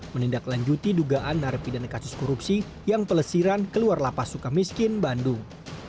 menindaklanjuti dugaan narapidana kasus korupsi yang pelesiran keluar lapas suka miskin bandung